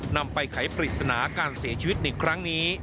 นำไปไขปริศนาการเสียชีวิตในครั้งนี้